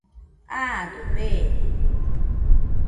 Aado feede.